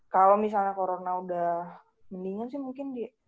kalau misalnya corona udah mendingan sih mungkin